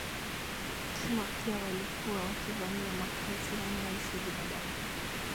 Kima pia walikuwa wakivamia makazi wanayoishi binadamu